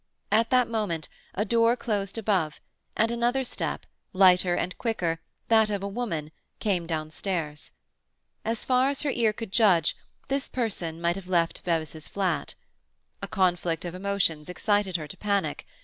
At that moment a door closed above, and another step, lighter and quicker, that of a woman, came downstairs. As far as her ear could judge, this person might have left Bevis's flat. A conflict of emotions excited her to panic.